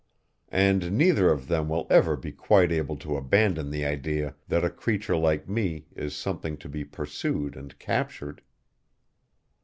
And neither of them will ever be quite able to abandon the idea that a creature like me is something to be pursued and captured."